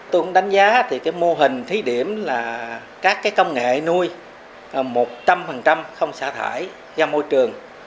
tôi cũng đánh giá thì mô hình thí điểm là các công nghệ nuôi một trăm linh không xả thải ra môi trường